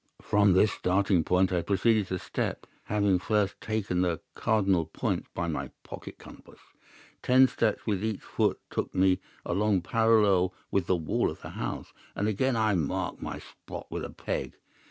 "From this starting point I proceeded to step, having first taken the cardinal points by my pocket compass. Ten steps with each foot took me along parallel with the wall of the house, and again I marked my spot with a peg.